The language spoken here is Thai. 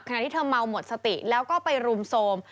ที่เธอเมาหมดสติแล้วก็ไปรุมโทรม